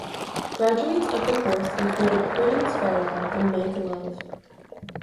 Graduates of the course included Prudence Farrow and Mike Love.